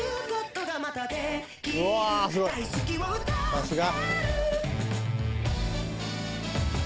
さすが！